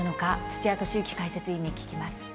土屋敏之解説委員に聞きます。